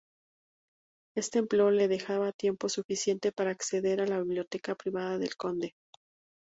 Este empleo le dejaba tiempo suficiente para acceder a la biblioteca privada del conde.